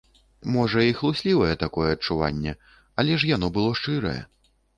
Можа, і хлуслівае такое адчуванне, але ж яно было шчырае.